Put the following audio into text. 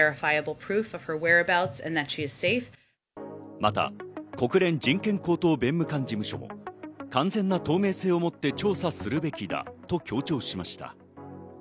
また、国連人権高等弁務官事務所は完全な透明性をもって調査するべきだと強調しました。